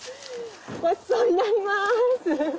ごちそうになります。